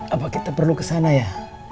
apa kita perlu kesana ya